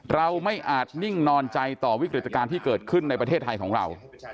เราไม่อาจนิ่งนอนใจต่อวิกฤตการณ์ที่เกิดขึ้นในประเทศไทยของเรา